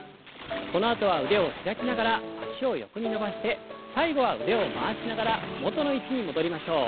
このあとは腕を開きながら脚を横に伸ばして最後は腕を回しながら元の位置に戻りましょう。